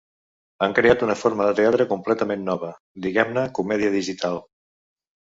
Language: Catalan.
Han creat una forma de teatre completament nova; diguem-ne comèdia digital.